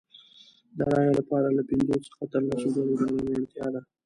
د رایې لپاره له پنځو څخه تر لسو زرو ډالرو اړتیا ده.